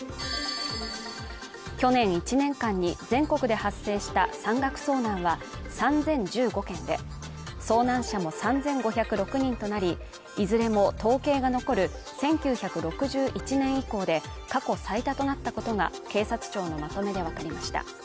去年１年間に全国で発生した山岳遭難は３０１５件で、遭難者も３５０６人となり、いずれも統計が残る１９６１年以降で過去最多となったことが、警察庁のまとめでわかりました。